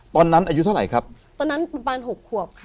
ตอนนั้นอายุเท่าไหร่ครับ